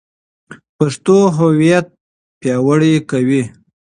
پښتو هویت پیاوړی کوي.